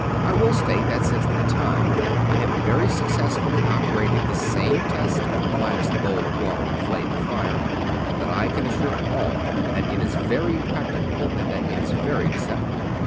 I will state that since that time I have very successfully operated this same test, minus the bowl of water and flame of fire ; and that I can assure all that it is very practicable and that it is very deceptive.